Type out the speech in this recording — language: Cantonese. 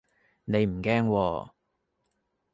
你唔驚喎